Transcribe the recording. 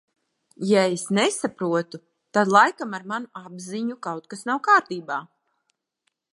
Ja es nesaprotu, tad laikam ar manu apziņu kaut kas nav kārtībā.